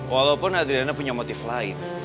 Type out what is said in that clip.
walaupun adria dan ana punya motif lain